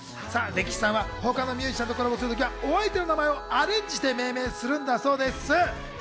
レキシさんは他のミュージシャンとコラボする時はお相手の名前をアレンジして命名するんだそうです。